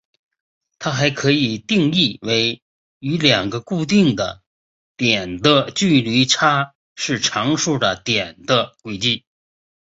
它还可以定义为与两个固定的点的距离差是常数的点的轨迹。